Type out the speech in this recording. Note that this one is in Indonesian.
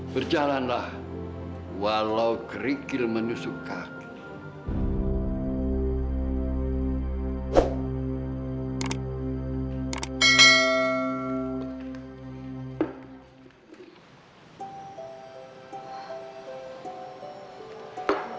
berjalanlah walau kerikil menyusu kaki